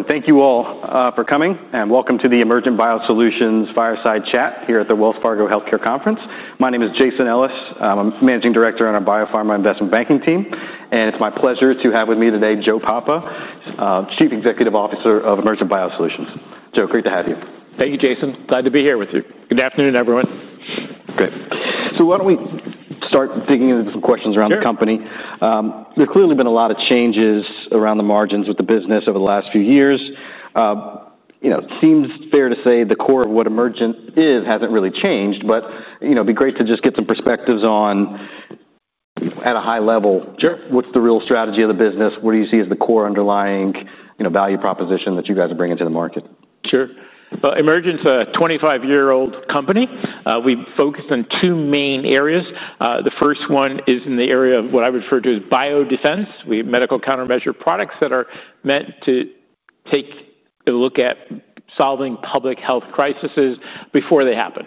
Hello, and thank you all for coming, and welcome to the Emergent BioSolutions Fireside Bhat here at the Wells Fargo Healthcare Conference. My name is Jason Ellis. I'm a Managing Director on our biopharma Investment Banking team, and it's my pleasure to have with me today Joe Papa, Chief Executive Officer of Emergent BioSolutions. Joe, great to have you. Thank you, Jason. Glad to be here with you. Good afternoon, everyone. Great. Why don't we start digging into some questions around the company? There have clearly been a lot of changes around the margins of the business over the last few years. It seems fair to say the core of what Emergent BioSolutions is hasn't really changed, but it would be great to just get some perspectives on, at a high level, what's the real strategy of the business? What do you see as the core underlying value proposition that you guys are bringing to the market? Sure. Emergent BioSolutions is a 25-year-old company. We focus on two main areas. The first one is in the area of what I refer to as Biodefense. We have medical countermeasure products that are meant to take a look at solving public health crises before they happen.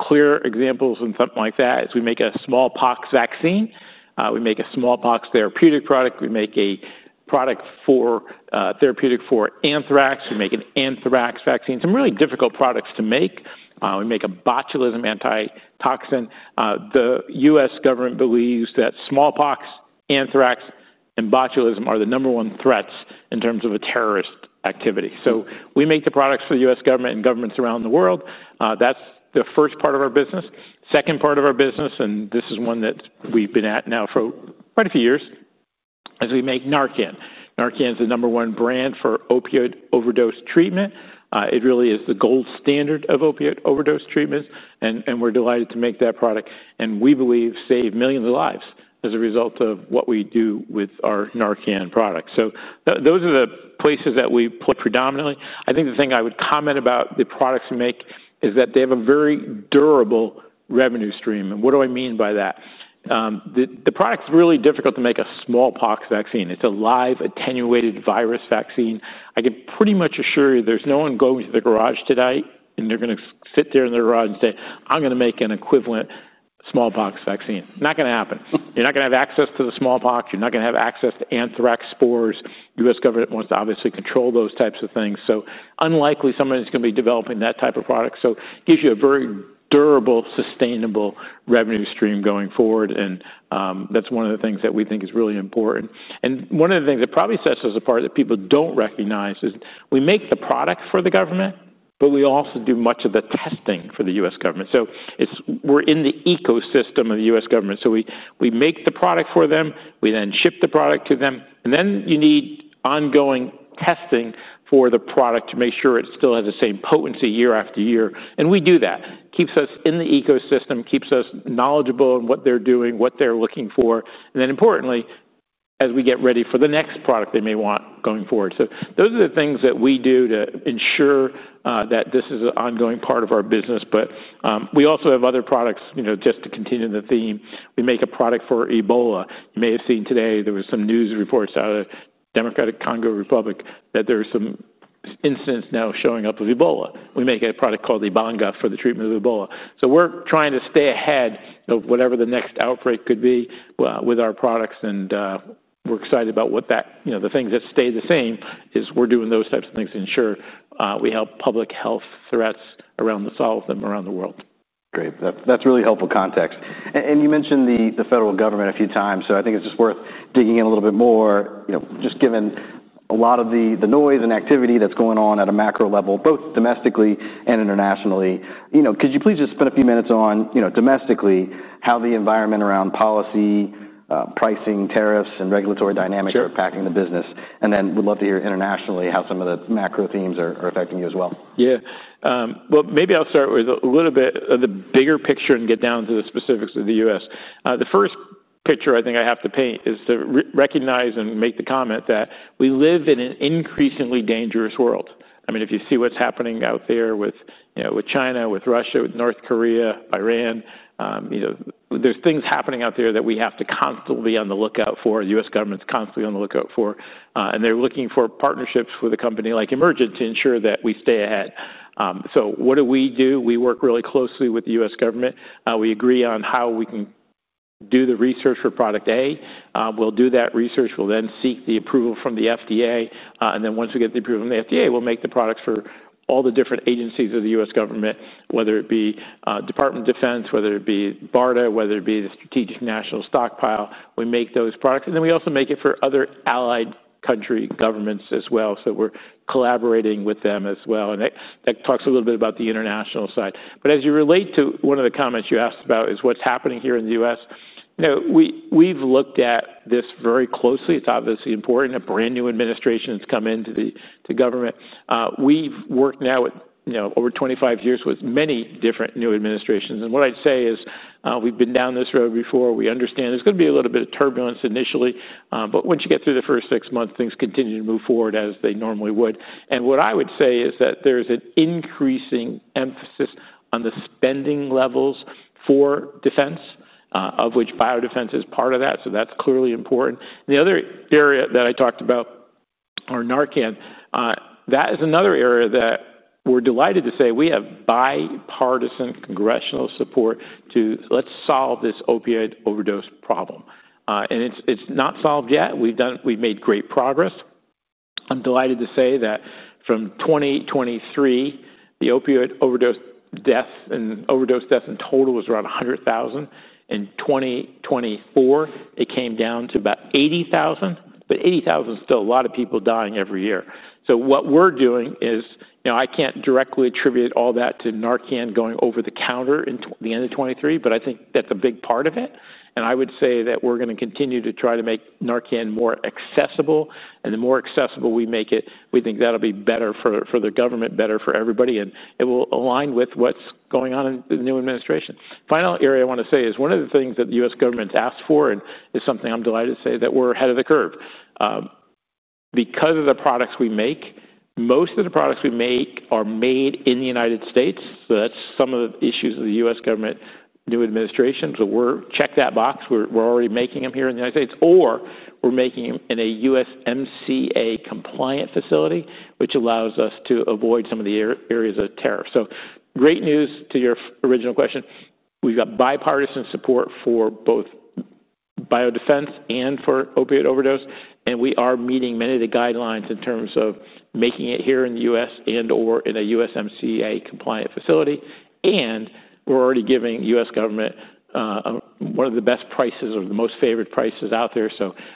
Clear examples of something like that are we make a smallpox vaccine, we make a smallpox therapeutic product, we make a therapeutic product for anthrax, and we make an anthrax vaccine. Some really difficult products to make. We make a botulism antitoxin. The U.S. government believes that smallpox, anthrax, and botulism are the number one threats in terms of a terrorist activity. We make the products for the U.S. government and governments around the world. That's the first part of our business. The second part of our business, and this is one that we've been at now for quite a few years, is we make Narcan. Narcan is the number one brand for opioid overdose treatment. It really is the gold standard of opioid overdose treatments, and we're delighted to make that product. We believe it saves millions of lives as a result of what we do with our Narcan products. Those are the places that we predominantly. I think the thing I would comment about the products we make is that they have a very durable revenue stream. What do I mean by that? The product is really difficult to make—a smallpox vaccine. It's a live attenuated virus vaccine. I can pretty much assure you there's no one going to the garage today and they're going to sit there in the garage and say, "I'm going to make an equivalent smallpox vaccine." Not going to happen. You're not going to have access to the smallpox. You're not going to have access to anthrax spores. The U.S. government wants to obviously control those types of things. Unlikely somebody's going to be developing that type of product. It gives you a very durable, sustainable revenue stream going forward, and that's one of the things that we think is really important. One of the things that probably sets us apart that people don't recognize is we make the product for the government, but we also do much of the testing for the U.S. government. We're in the ecosystem of the U.S. government. We make the product for them, we then ship the product to them, and then you need ongoing testing for the product to make sure it still has the same potency year- after- year. We do that. It keeps us in the ecosystem, keeps us knowledgeable in what they're doing, what they're looking for, and then importantly, as we get ready for the next product they may want going forward. Those are the things that we do to ensure that this is an ongoing part of our business. We also have other products, just to continue the theme. We make a product for Ebola. You may have seen today there were some news reports out of the Democratic Republic of the Congo that there are some incidents now showing up of Ebola. We make a product called Ebanga for the treatment of Ebola. We're trying to stay ahead of whatever the next outbreak could be with our products, and we're excited about the things that stay the same, as we're doing those types of things to ensure we help public health threats solve them around the world. Great. That's really helpful context. You mentioned the federal government a few times, so I think it's just worth digging in a little bit more, just given a lot of the noise and activity that's going on at a macro- level, both domestically and internationally. Could you please just spend a few minutes on domestically how the environment around policy, pricing, tariffs, and regulatory dynamics are impacting the business? We'd love to hear internationally how some of the macro- themes are affecting you as well. Maybe I'll start with a little bit of the bigger picture and get down to the specifics of the U.S. The first picture I think I have to paint is to recognize and make the comment that we live in an increasingly dangerous world. I mean, if you see what's happening out there with China, with Russia, with North Korea, Iran, there are things happening out there that we have to constantly be on the lookout for, the U.S. government's constantly on the lookout for. They're looking for partnerships with a company like Emergent to ensure that we stay ahead. What do we do? We work really closely with the U.S. government. We agree on how we can do the research for product A. We'll do that research. We'll then seek the approval from the FDA. Once we get the approval from the FDA, we'll make the products for all the different agencies of the U.S. government, whether it be Department of Defense, whether it be BARDA, whether it be the Strategic National Stockpile. We make those products. We also make it for other allied country governments as well. We're collaborating with them as well. That talks a little bit about the international side. As you relate to one of the comments you asked about, what's happening here in the U.S. We've looked at this very closely. It's obviously important. A brand new administration has come into the government. We've worked now over 25 years with many different new administrations. What I'd say is we've been down this road before. We understand there's going to be a little bit of turbulence initially, but once you get through the first six months, things continue to move forward as they normally would. What I would say is that there's an increasing emphasis on the spending levels for defense, of which Biodefense is part of that. That's clearly important. The other area that I talked about, or Narcan, that is another area that we're delighted to say we have bipartisan congressional support to let's solve this opioid overdose problem. It's not solved yet. We've made great progress. I'm delighted to say that from 2023, the opioid overdose death in total was around 100,000. In 2024, it came down to about 80,000. 80,000 is still a lot of people dying every year. What we're doing is I can't directly attribute all that to Narcan going over- the- counter at the end of 2023, but I think that's a big part of it. I would say that we're going to continue to try to make Narcan more accessible. The more accessible we make it, we think that'll be better for the government, better for everybody, and it will align with what's going on in the new administration. The final area I want to say is one of the things that the U.S. government's asked for and is something I'm delighted to say that we're ahead of the curve. Because of the products we make, most of the products we make are made in the United States. That's some of the issues of the U.S. government new administration. We'll check that box. We're already making them here in the United States, or we're making them in a USMCA compliant facility, which allows us to avoid some of the areas of tariff. Great news to your original question. We've got bipartisan support for both Biodefense and for Opioid overdose, and we are meeting many of the guidelines in terms of making it here in the U.S. and/or in a USMCA compliant facility. We're already giving the U.S. government one of the best prices or the most favorite prices out there.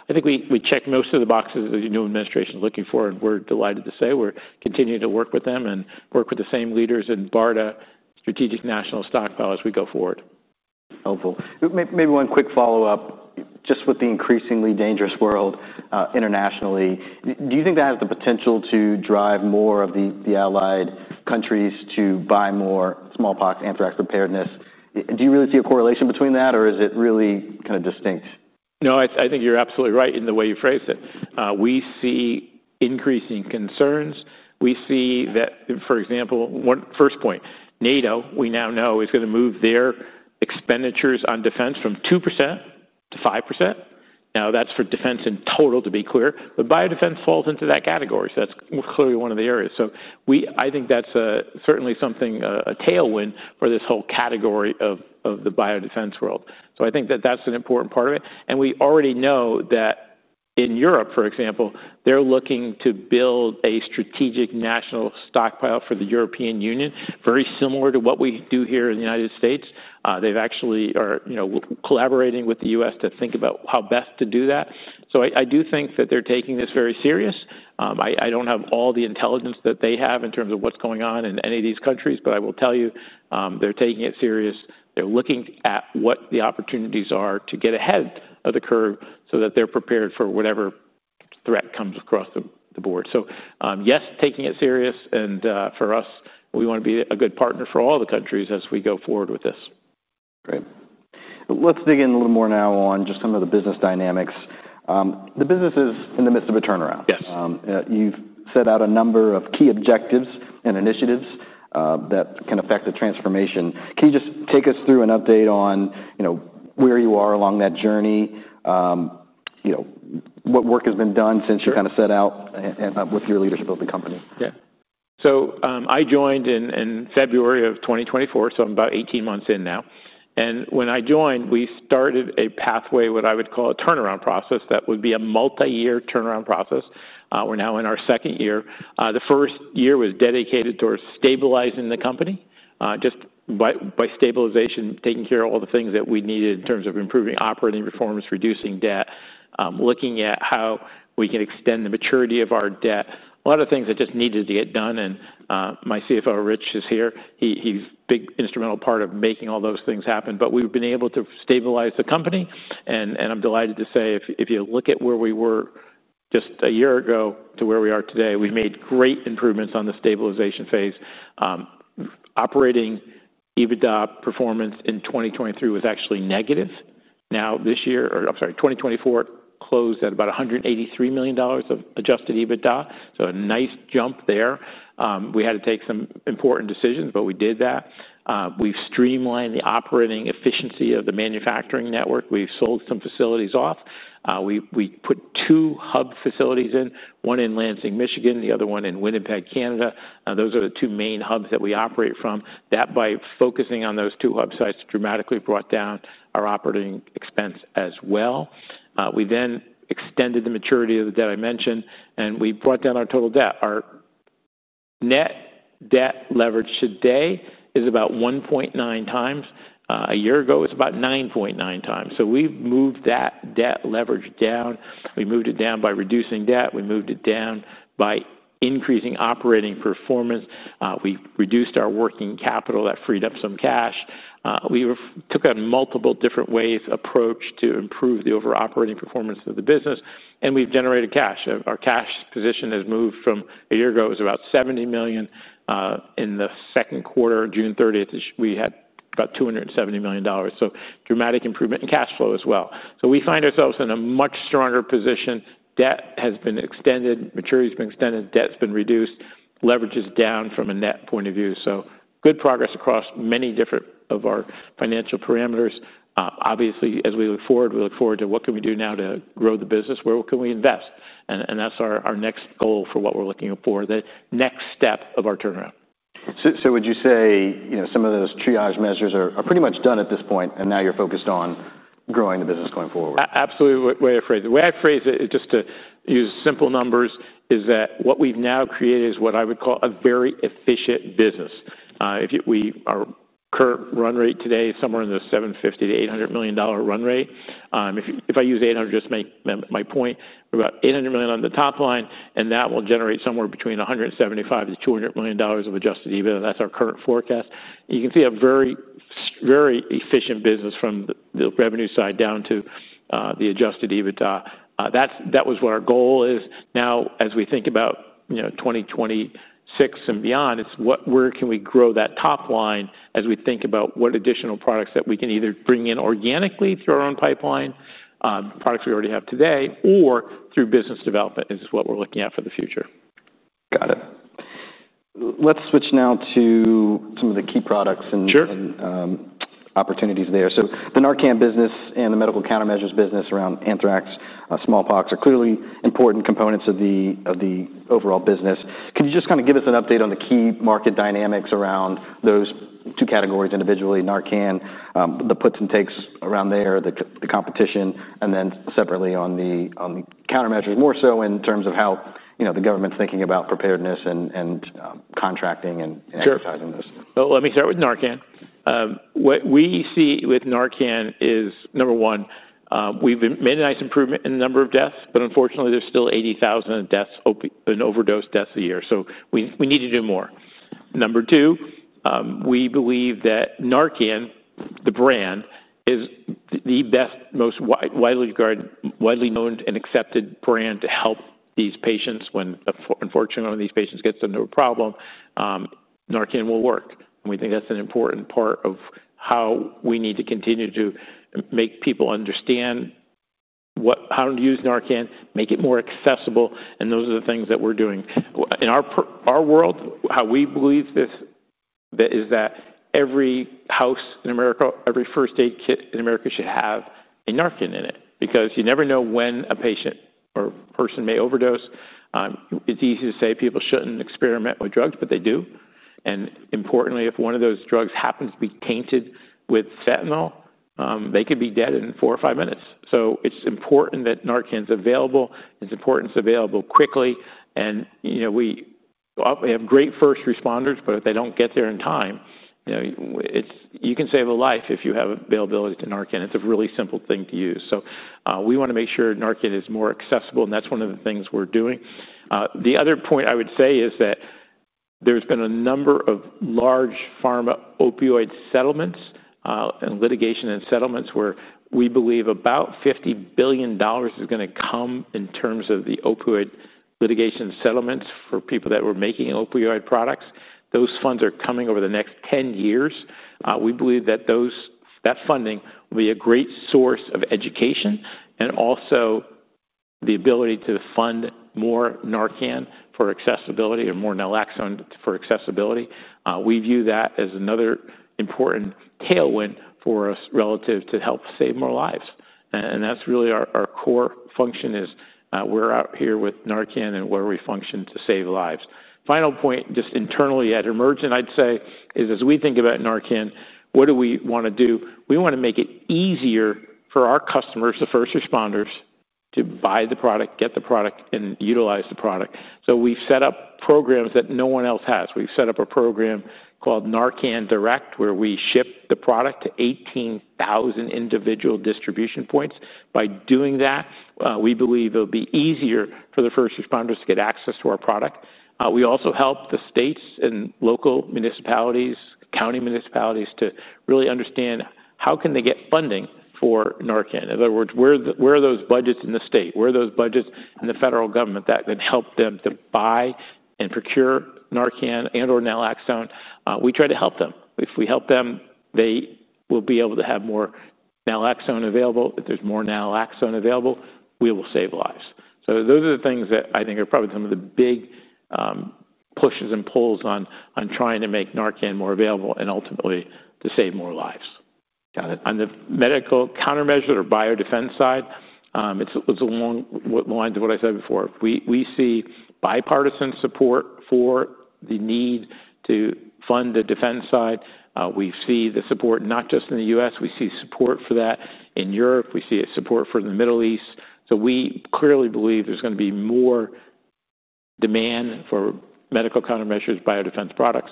I think we checked most of the boxes that the new administration is looking for, and we're delighted to say we're continuing to work with them and work with the same leaders in BARDA, Strategic National Stockpile, as we go forward. Helpful. Maybe one quick follow-up. Just with the increasingly dangerous world internationally, do you think that has the potential to drive more of the allied countries to buy more smallpox, anthrax preparedness? Do you really see a correlation between that, or is it really kind of distinct? No, I think you're absolutely right in the way you phrased it. We see increasing concerns. We see that, for example, one first point, NATO, we now know, is going to move their expenditures on defense from 2%- 5%. That's for defense in total, to be clear, but Biodefense falls into that category. That's clearly one of the areas. I think that's certainly something, a tailwind for this whole category of the Biodefense world. I think that that's an important part of it. We already know that in Europe, for example, they're looking to build a Strategic National Stockpile for the European Union, very similar to what we do here in the U.S. They actually are collaborating with the U.S. to think about how best to do that. I do think that they're taking this very serious. I don't have all the intelligence that they have in terms of what's going on in any of these countries, but I will tell you they're taking it serious. They're looking at what the opportunities are to get ahead of the curve so that they're prepared for whatever threat comes across the board. Yes, taking it serious. For us, we want to be a good partner for all the countries as we go forward with this. Great. Let's dig in a little more now on just some of the business dynamics. The business is in the midst of a turnaround. Yes. You've set out a number of key objectives and initiatives that can affect the transformation. Can you just take us through an update on where you are along that journey? What work has been done since you set out with your leadership of the company? Yeah. I joined in February of 2024, so I'm about 18 months in now. When I joined, we started a pathway, what I would call a turnaround process, that would be a multi-year turnaround process. We're now in our second year. The first year was dedicated towards stabilizing the company. By stabilization, taking care of all the things that we needed in terms of improving operating reforms, reducing debt, looking at how we can extend the maturity of our debt, a lot of things that just needed to get done. My CFO, Rich, is here. He's a big instrumental part of making all those things happen. We've been able to stabilize the company. I'm delighted to say if you look at where we were just a year ago to where we are today, we've made great improvements on the stabilization phase. Operating EBITDA performance in 2023 was actually negative. This year, or I'm sorry, 2024 closed at about $183 million of adjusted EBITDA. A nice jump there. We had to take some important decisions, but we did that. We've streamlined the operating efficiency of the manufacturing network. We've sold some facilities off. We put two hub facilities in, one in Lansing, Michigan, the other one in Winnipeg, Canada. Those are the two main hubs that we operate from. By focusing on those two hub sites, it dramatically brought down our operating expense as well. We then extended the maturity of the debt I mentioned, and we brought down our total debt. Our net debt leverage today is about 1.9 times. A year ago, it was about 9.9 times. We've moved that debt leverage down. We moved it down by reducing debt. We moved it down by increasing operating performance. We've reduced our working capital that freed up some cash. We took a multiple different ways approach to improve the overall operating performance of the business, and we've generated cash. Our cash position has moved from a year ago, it was about $70 million. In the second quarter, June 30th, we had about $270 million. Dramatic improvement in cash flow as well. We find ourselves in a much stronger position. Debt has been extended. Maturity has been extended. Debt has been reduced. Leverage is down from a net point of view. Good progress across many different of our financial parameters. Obviously, as we look forward, we look forward to what can we do now to grow the business? Where can we invest? That's our next goal for what we're looking for, the next step of our turnaround. Would you say some of those triage measures are pretty much done at this point, and now you're focused on growing the business going forward? Absolutely, the way I phrase it, just to use simple numbers, is that what we've now created is what I would call a very efficient business. Our current run rate today is somewhere in the $750 million- $800 million run rate. If I use $800 million, just to make my point, we're about $800 million on the top line, and that will generate somewhere between $175 million- $200 million of adjusted EBITDA. That's our current forecast. You can see a very, very efficient business from the revenue side down to the adjusted EBITDA. That was what our goal is. Now, as we think about 2026 and beyond, it's where can we grow that top line as we think about what additional products that we can either bring in organically through our own pipeline, products we already have today, or through business development is what we're looking at for the future. Got it. Let's switch now to some of the key products and opportunities there. The Narcan business and the medical countermeasures business around anthrax, smallpox are clearly important components of the overall business. Could you just kind of give us an update on the key market dynamics around those two categories individually, Narcan, the puts and takes around there, the competition, and then separately on the countermeasures, more so in terms of how the government's thinking about preparedness and contracting and advertising this? Sure. Let me start with Narcan. What we see with Narcan is, number one, we've made a nice improvement in the number of deaths, but unfortunately, there's still 80,000 in overdose deaths a year. We need to do more. Number two, we believe that Narcan, the brand, is the best, most widely regarded, widely known, and accepted brand to help these patients when, unfortunately, one of these patients gets into a problem. Narcan will work. We think that's an important part of how we need to continue to make people understand how to use Narcan, make it more accessible, and those are the things that we're doing. In our world, how we believe this is that every house in America, every first aid kit in America should have a Narcan in it because you never know when a patient or person may overdose. It's easy to say people shouldn't experiment with drugs, but they do. Importantly, if one of those drugs happens to be tainted with fentanyl, they could be dead in four or five minutes. It's important that Narcan is available. It's important it's available quickly. We have great first responders, but if they don't get there in time, you can save a life if you have availability to Narcan. It's a really simple thing to use. We want to make sure Narcan is more accessible, and that's one of the things we're doing. The other point I would say is that there's been a number of large pharma opioid settlements and litigation and settlements where we believe about $50 billion is going to come in terms of the opioid litigation settlements for people that were making opioid products. Those funds are coming over the next 10 years. We believe that that funding will be a great source of education and also the ability to fund more Narcan for accessibility or more naloxone for accessibility. We view that as another important tailwind for us relative to help save more lives. That's really our core function is we're out here with Narcan and where we function to save lives. Final point, just internally at Emergent, I'd say, is as we think about Narcan, what do we want to do? We want to make it easier for our customers, the first responders, to buy the product, get the product, and utilize the product. We've set up programs that no one else has. We've set up a program called Narcan Direct where we ship the product to 18,000 individual distribution points. By doing that, we believe it'll be easier for the first responders to get access to our product. We also help the states and local municipalities, county municipalities, to really understand how can they get funding for Narcan. In other words, where are those budgets in the state? Where are those budgets in the federal government that can help them to buy and procure Narcan and/or naloxone? We try to help them. If we help them, they will be able to have more naloxone available. If there's more naloxone available, we will save lives. Those are the things that I think are probably some of the big pushes and pulls on trying to make Narcan more available and ultimately to save more lives. Got it. On the medical countermeasure or Biodefense side, it's along the lines of what I said before. We see bipartisan support for the need to fund the defense side. We see the support not just in the U.S. We see support for that in Europe. We see support for the Middle East. We clearly believe there's going to be more demand for medical countermeasures, Biodefense products.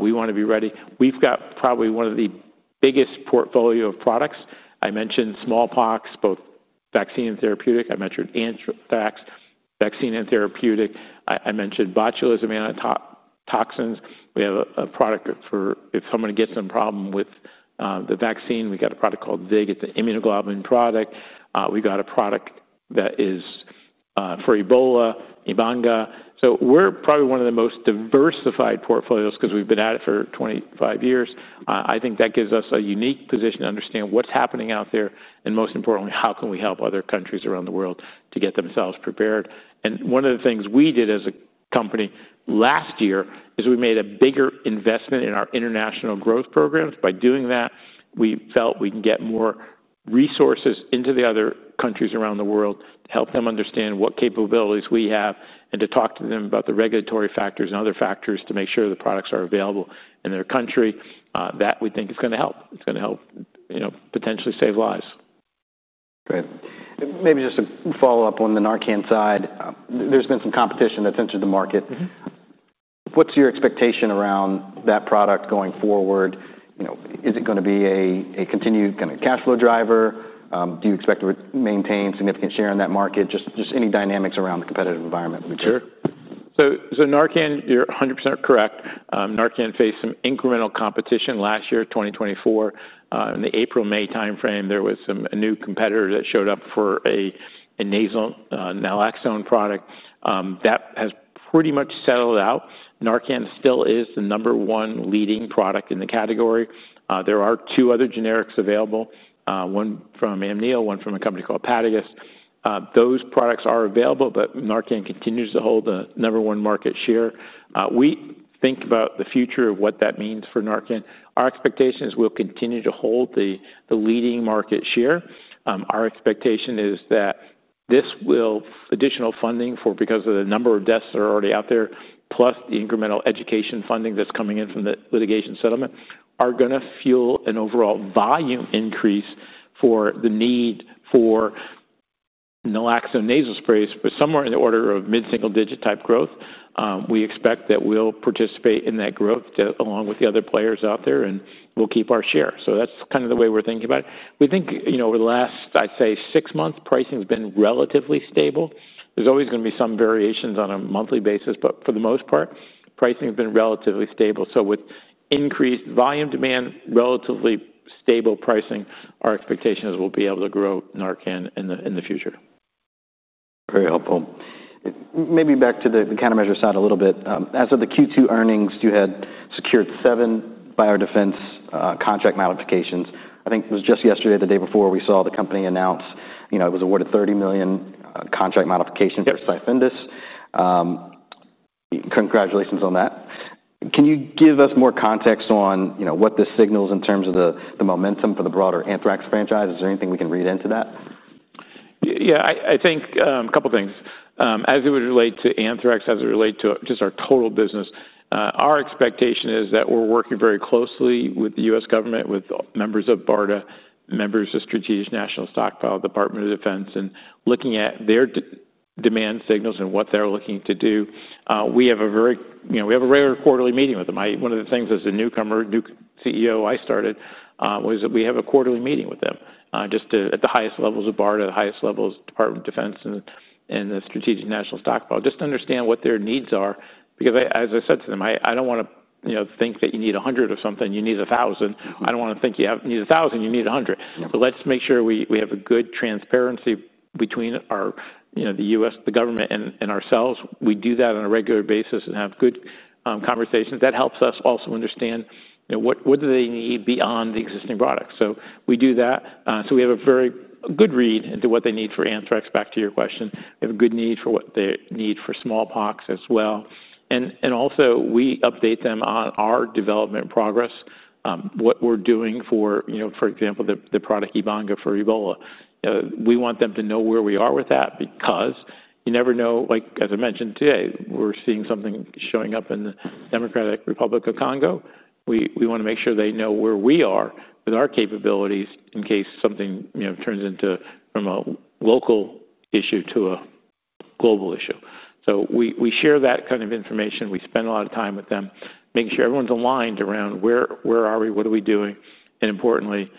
We want to be ready. We've got probably one of the biggest portfolios of products. I mentioned smallpox, both vaccine and therapeutic. I mentioned anthrax, vaccine and therapeutic. I mentioned botulism, anthrax toxins. We have a product for if someone gets in a problem with the vaccine. We've got a product called VIG. It's an immunoglobulin product. We've got a product that is for Ebola, Ebanga. We're probably one of the most diversified portfolios because we've been at it for 25 years. I think that gives us a unique position to understand what's happening out there, and most importantly, how can we help other countries around the world to get themselves prepared? One of the things we did as a company last year is we made a bigger investment in our international growth programs. By doing that, we felt we can get more resources into the other countries around the world to help them understand what capabilities we have and to talk to them about the regulatory factors and other factors to make sure the products are available in their country. That we think is going to help. It's going to help potentially save lives. Great. Maybe just a follow-up on the Narcan side. There's been some competition that's entered the market. What's your expectation around that product going forward? Is it going to be a continued kind of cash flow driver? Do you expect to maintain significant share in that market? Just any dynamics around the competitive environment would be great. Sure. Narcan, you're 100% correct. Narcan faced some incremental competition last year, 2024. In the April-May timeframe, there was a new competitor that showed up for a nasal naloxone product. That has pretty much settled out. Narcan still is the number one leading product in the category. There are two other generics available, one from Amneal, one from a company called Padagis. Those products are available, but Narcan continues to hold the number one market share. We think about the future of what that means for Narcan. Our expectation is we'll continue to hold the leading market share. Our expectation is that this will additional funding for, because of the number of deaths that are already out there, plus the incremental education funding that's coming in from the litigation settlement, are going to fuel an overall volume increase for the need for naloxone nasal sprays, but somewhere in the order of mid-single-digit type growth. We expect that we'll participate in that growth along with the other players out there, and we'll keep our share. That's kind of the way we're thinking about it. We think over the last, I'd say, six months, pricing has been relatively stable. There's always going to be some variations on a monthly basis, but for the most part, pricing has been relatively stable. With increased volume demand, relatively stable pricing, our expectation is we'll be able to grow Narcan in the future. Very helpful. Maybe back to the countermeasure side a little bit. As of the Q2 earnings, you had secured seven Biodefense contract modifications. I think it was just yesterday, the day before, we saw the company announce it was awarded $30 million contract modifications or siphoned us. Congratulations on that. Can you give us more context on what this signals in terms of the momentum for the broader anthrax franchise? Is there anything we can read into that? Yeah, I think a couple of things. As it would relate to anthrax, as it relates to just our total business, our expectation is that we're working very closely with the U.S. government, with members of BARDA, members of the Strategic National Stockpile, Department of Defense, and looking at their demand signals and what they're looking to do. We have a regular quarterly meeting with them. One of the things as a newcomer, new CEO I started, was that we have a quarterly meeting with them just at the highest levels of BARDA, the highest levels of Department of Defense, and the Strategic National Stockpile just to understand what their needs are. Because as I said to them, I don't want to think that you need 100 of something, you need 1,000. I don't want to think you need 1,000, you need 100. Let's make sure we have good transparency between the U.S., the government, and ourselves. We do that on a regular basis and have good conversations. That helps us also understand what do they need beyond the existing products. We do that. We have a very good read into what they need for anthrax, back to your question. We have a good need for what they need for smallpox as well. We update them on our development progress, what we're doing for, for example, the product Ebanga for Ebola. We want them to know where we are with that because you never know, like as I mentioned today, we're seeing something showing up in the Democratic Republic of Congo. We want to make sure they know where we are with our capabilities in case something turns into from a local issue to a global issue. We share that kind of information. We spend a lot of time with them making sure everyone's aligned around where are we, what are we doing, and importantly,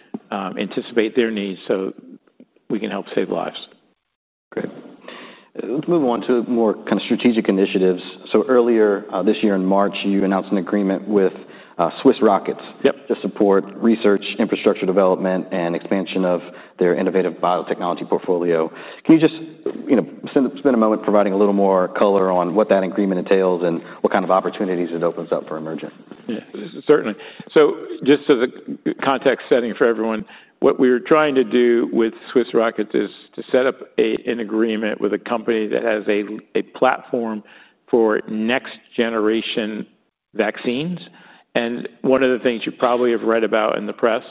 anticipate their needs so we can help save lives. Great. Let's move on to more kind of strategic initiatives. Earlier this year in March, you announced an agreement with Swiss Rockets to support research, infrastructure development, and expansion of their innovative Biotechnology Portfolio. Can you just spend a moment providing a little more color on what that agreement entails and what kind of opportunities it opens up for Emergent? Certainly. Just for context setting for everyone, what we're trying to do with Swiss Rockets is to set up an agreement with a company that has a platform for next-generation vaccines. One of the things you probably have read about in the press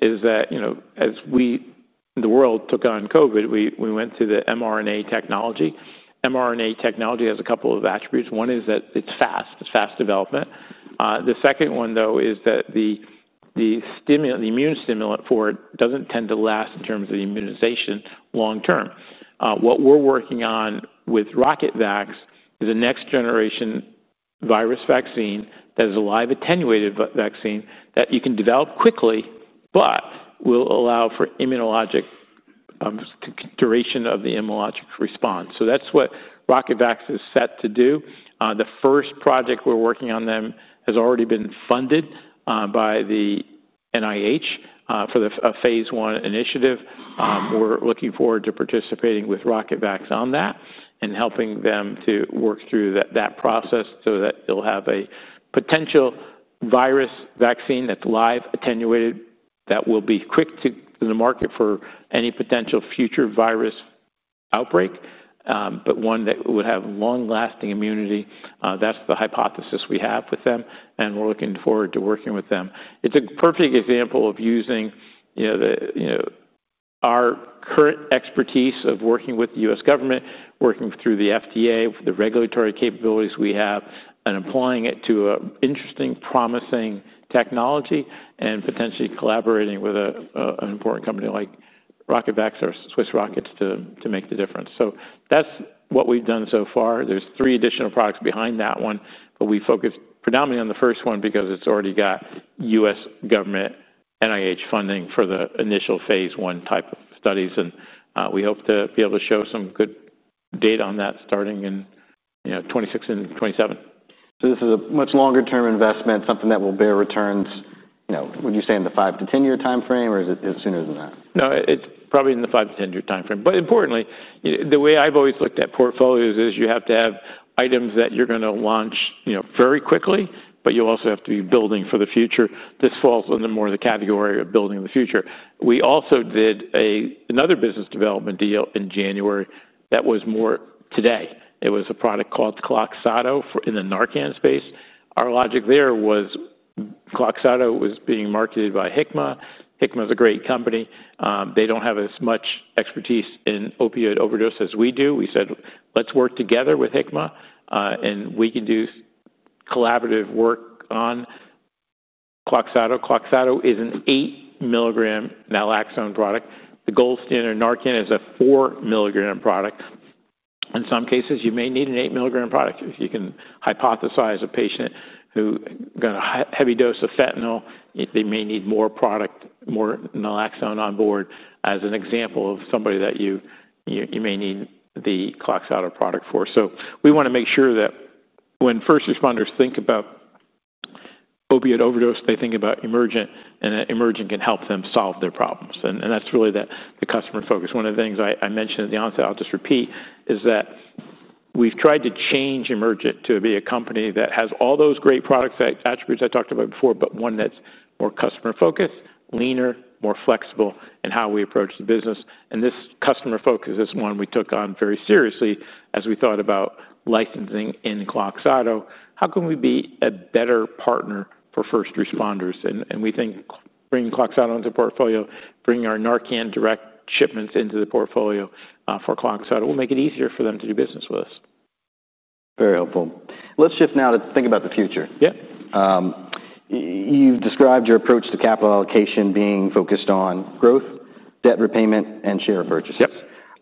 is that as the world took on COVID, we went to the mRNA technology. mRNA technology has a couple of attributes. One is that it's fast. It's fast development. The second one, though, is that the immune stimulant for it doesn't tend to last in terms of the immunization long term. What we're working on with RocketVax is a next-generation virus vaccine that is a live attenuated vaccine that you can develop quickly, but will allow for duration of the immunologic response. That's what RocketVax is set to do. The first project we're working on has already been funded by the NIH for the phase I initiative. We're looking forward to participating with RocketVax on that and helping them to work through that process so that they'll have a potential virus vaccine that's live attenuated that will be quick to the market for any potential future virus outbreak, but one that would have long-lasting immunity. That's the hypothesis we have with them, and we're looking forward to working with them. It's a perfect example of using our current expertise of working with the U.S. government, working through the FDA, the regulatory capabilities we have, and applying it to an interesting, promising technology and potentially collaborating with an important company like RocketVax or Swiss Rockets to make the difference. That's what we've done so far. There are three additional products behind that one, but we focus predominantly on the first one because it's already got U.S. government NIH funding for the initial phase I type of studies, and we hope to be able to show some good data on that starting in 2026 and 2027. This is a much longer-term investment, something that will bear returns. Would you say in the 5-10 -year timeframe, or is it as soon as that? No, it's probably in the 5-10 -year timeframe. Importantly, the way I've always looked at portfolios is you have to have items that you're going to launch very quickly, but you also have to be building for the future. This falls under more of the category of building in the future. We also did another business development deal in January that was more today. It was a product called Kloxxado in the Narcan space. Our logic there was Kloxxado was being marketed by Hikma. Hikma is a great company. They don't have as much expertise in opioid overdose as we do. We said, let's work together with Hikma, and we can do collaborative work on Kloxxado. Kloxxado is an 8- mg naloxone product. The gold standard Narcan is a 4- mg product. In some cases, you may need an 8- mg product. If you can hypothesize a patient who's on a heavy dose of fentanyl, they may need more product, more naloxone on board as an example of somebody that you may need the Kloxxado product for. We want to make sure that when first responders think about opioid overdose, they think about Emergent, and that Emergent can help them solve their problems. That's really the customer focus. One of the things I mentioned at the onset, I'll just repeat, is that we've tried to change Emergent to be a company that has all those great product attributes I talked about before, but one that's more customer-focused, leaner, more flexible in how we approach the business. This customer focus is one we took on very seriously as we thought about licensing in Klozzado. How can we be a better partner for first responders? We think bringing Kloxxado into the portfolio, bringing our Narcan Direct shipments into the portfolio for Kloxxado will make it easier for them to do business with us. Very helpful. Let's shift now to think about the future. Yeah. You've described your approach to capital allocation being focused on growth, debt repayment, and share purchases. Yep.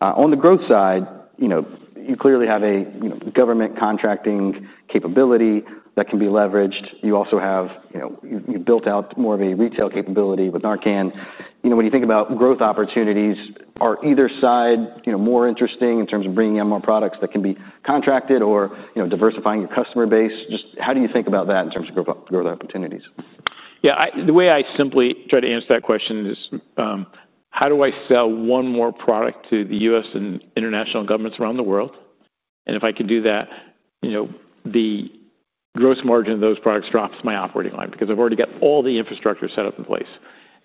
On the growth side, you clearly have a government contracting capability that can be leveraged. You also have, you built out more of a retail capability with Narcan. When you think about growth opportunities, are either side more interesting in terms of bringing out more products that can be contracted or diversifying your customer base? How do you think about that in terms of growth opportunities? Yeah, the way I simply try to answer that question is, how do I sell one more product to the U.S. and international governments around the world? If I could do that, the gross margin of those products drops my operating line because I've already got all the infrastructure set up in place.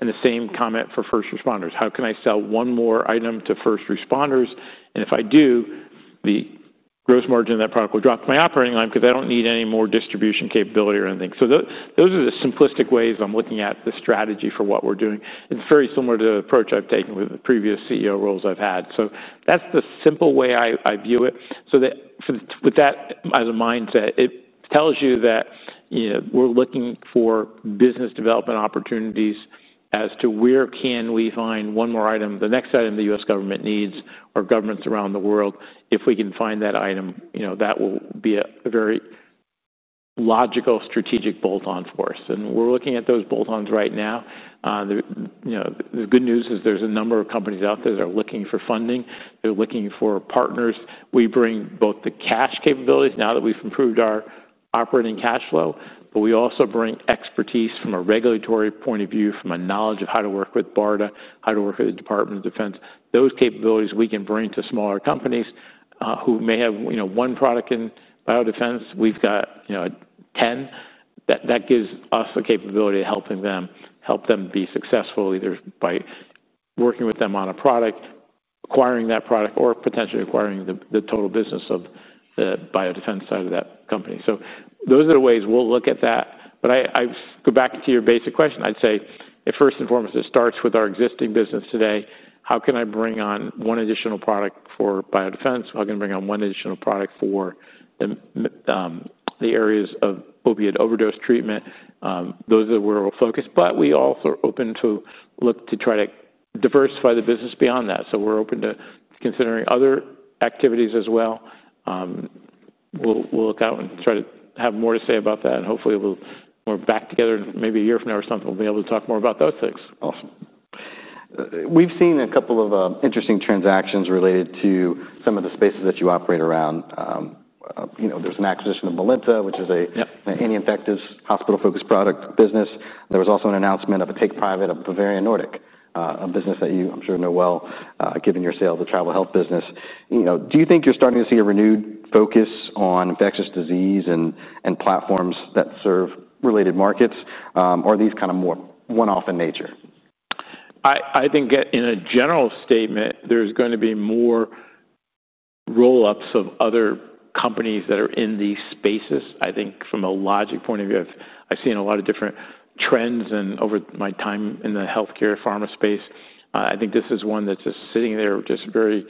The same comment for first responders. How can I sell one more item to first responders? If I do, the gross margin of that product will drop my operating line because I don't need any more distribution capability or anything. Those are the simplistic ways I'm looking at the strategy for what we're doing. It's very similar to the approach I've taken with the previous CEO roles I've had. That's the simple way I view it. With that as a mindset, it tells you that we're looking for business development opportunities as to where can we find one more item, the next item the U.S. government needs, or governments around the world. If we can find that item, that will be a very logical strategic bolt-on for us. We're looking at those bolt-ons right now. The good news is there's a number of companies out there that are looking for funding. They're looking for partners. We bring both the cash capabilities now that we've improved our operating cash flow, but we also bring expertise from a regulatory point of view, from a knowledge of how to work with BARDA, how to work with the Department of Defense. Those capabilities we can bring to smaller companies who may have one product in Biodefense. We've got 10. That gives us a capability of helping them be successful, either by working with them on a product, acquiring that product, or potentially acquiring the total business of the Biodefense side of that company. Those are the ways we'll look at that. I go back to your basic question. I'd say, first and foremost, it starts with our existing business today. How can I bring on one additional product for Biodefense? How can I bring on one additional product for the areas of opioid overdose treatment? Those are where we'll focus. We also are open to look to try to diversify the business beyond that. We're open to considering other activities as well. We'll look out and try to have more to say about that. Hopefully, we're back together maybe a year from now or something. We'll be able to talk more about those things. Awesome. We've seen a couple of interesting transactions related to some of the spaces that you operate around. There's an acquisition of Milenta, which is an anti-infectious hospital-focused product business. There was also an announcement of a take-private of Bavarian Nordic, a business that you, I'm sure, know well, given your sale of the travel health business. Do you think you're starting to see a renewed focus on infectious disease and platforms that serve related markets, or are these kind of more one-off in nature? I think in a general statement, there's going to be more roll-ups of other companies that are in these spaces. I think from a logic point of view, I've seen a lot of different trends over my time in the healthcare pharma space. I think this is one that's just sitting there, just very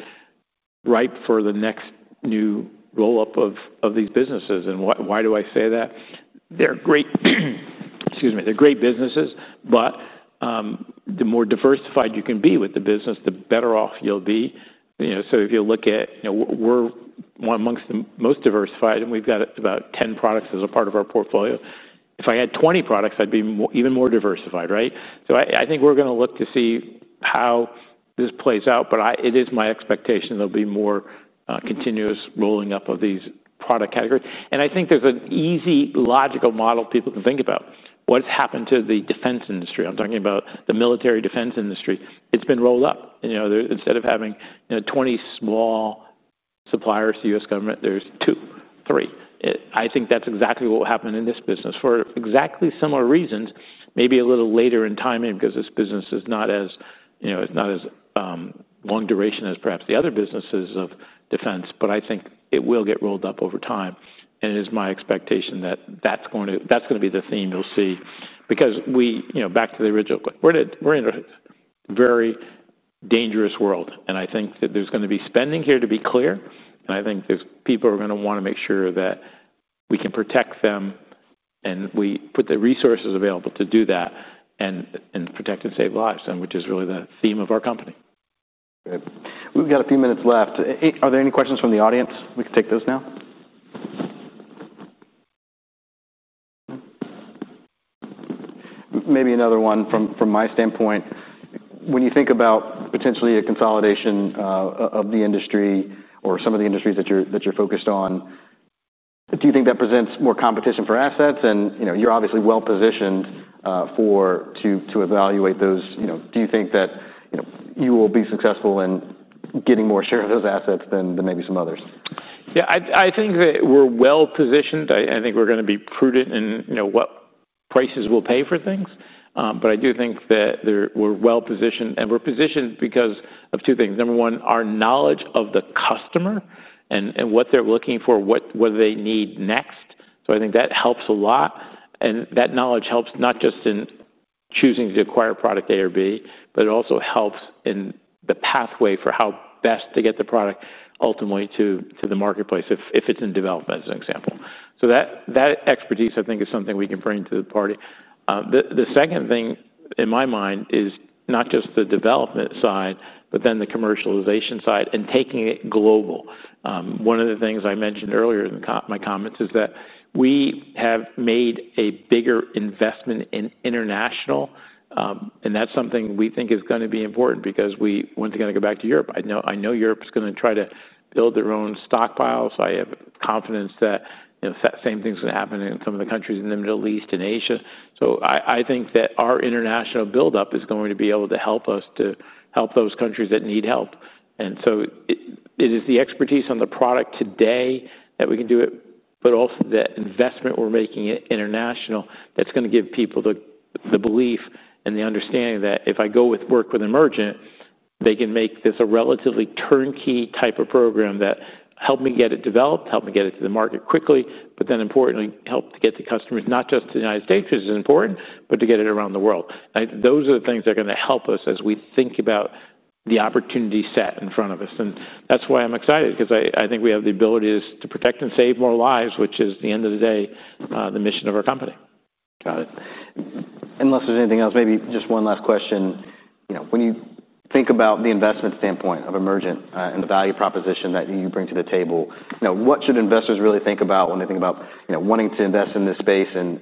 ripe for the next new roll-up of these businesses. Why do I say that? They're great businesses, but the more diversified you can be with the business, the better off you'll be. If you look at it, we're amongst the most diversified, and we've got about 10 products as a part of our portfolio. If I had 20 products, I'd be even more diversified, right? I think we're going to look to see how this plays out, but it is my expectation there'll be more continuous rolling up of these product categories. I think there's an easy, logical model people can think about. What has happened to the defense industry? I'm talking about the military defense industry. It's been rolled up. Instead of having 20 small suppliers to the U.S. government, there's two, three. I think that's exactly what will happen in this business for exactly similar reasons, maybe a little later in timing because this business is not as long duration as perhaps the other businesses of defense. I think it will get rolled up over time. It is my expectation that that's going to be the theme you'll see because we, back to the original, we're in a very dangerous world. I think that there's going to be spending here to be clear. I think there's people who are going to want to make sure that we can protect them and we put the resources available to do that and protect and save lives, which is really the theme of our company. Great. We've got a few minutes left. Are there any questions from the audience? We can take those now. Maybe another one from my standpoint. When you think about potentially a consolidation of the industry or some of the industries that you're focused on, do you think that presents more competition for assets? You're obviously well-positioned to evaluate those. Do you think that you will be successful in getting more share of those assets than maybe some others? Yeah, I think that we're well-positioned. I think we're going to be prudent in what prices we'll pay for things. I do think that we're well-positioned, and we're positioned because of two things. Number one, our knowledge of the customer and what they're looking for, what they need next. I think that helps a lot, and that knowledge helps not just in choosing to acquire product A or B, but it also helps in the pathway for how best to get the product ultimately to the marketplace if it's in development, as an example. That expertise, I think, is something we can bring to the party. The second thing in my mind is not just the development side, but then the commercialization side and taking it global. One of the things I mentioned earlier in my comments is that we have made a bigger investment in international, and that's something we think is going to be important because we want to go back to Europe. I know Europe is going to try to build their own stockpile. I have confidence that the same thing is going to happen in some of the countries in the Middle East and Asia. I think that our international buildup is going to be able to help us to help those countries that need help. It is the expertise on the product today that we can do it, but also the investment we're making in international that's going to give people the belief and the understanding that if I go work with Emergent BioSolutions, they can make this a relatively turn-key type of program that helps me get it developed, helps me get it to the market quickly, but then importantly helps to get to customers, not just to the United States, which is important, but to get it around the world. Those are the things that are going to help us as we think about the opportunity set in front of us. That's why I'm excited because I think we have the ability to protect and save more lives, which is at the end of the day, the mission of our company. Got it. Unless there's anything else, maybe just one last question. When you think about the investment standpoint of Emergent BioSolutions and the value proposition that you bring to the table, what should investors really think about when they think about wanting to invest in this space and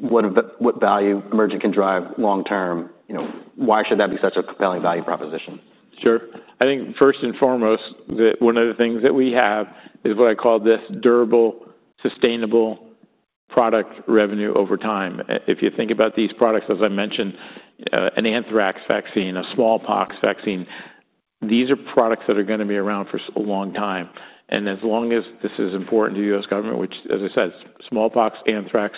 what value Emergent BioSolutions can drive long term? Why should that be such a compelling value proposition? Sure. I think first and foremost, one of the things that we have is what I call this durable, sustainable product revenue over time. If you think about these products, as I mentioned, an anthrax vaccine, a smallpox vaccine, these are products that are going to be around for a long time. If this is important to the U.S. government, which, as I said, smallpox, anthrax,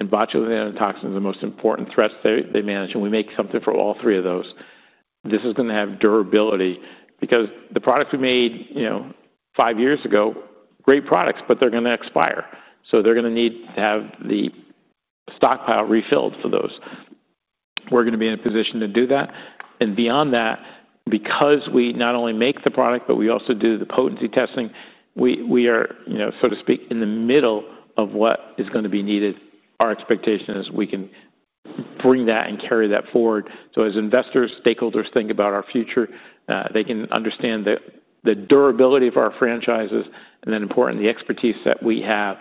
and botulinum toxins are the most important threats they manage, and we make something for all three of those, this is going to have durability because the products we made five years ago, great products, but they're going to expire. They're going to need to have the stockpile refilled for those. We're going to be in a position to do that. Beyond that, because we not only make the product, but we also do the potency testing, we are, so to speak, in the middle of what is going to be needed. Our expectation is we can bring that and carry that forward. As investors and stakeholders think about our future, they can understand the durability of our franchises and then, importantly, the expertise that we have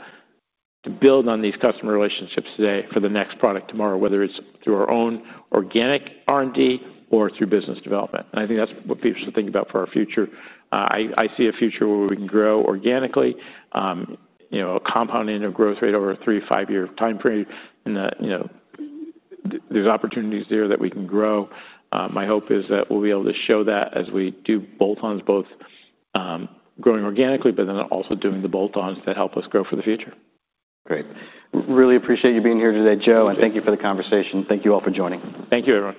to build on these customer relationships today for the next product tomorrow, whether it's through our own organic R&D or through business development. I think that's what people should think about for our future. I see a future where we can grow organically, a compound annual growth rate over a 3-5 -year timeframe. There are opportunities there that we can grow. My hope is that we'll be able to show that as we do bolt-ons, both growing organically, but then also doing the bolt-ons that help us grow for the future. Great. Really appreciate you being here today, Joe, and thank you for the conversation. Thank you all for joining. Thank you, everyone.